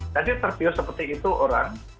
jadi terbius seperti itu orang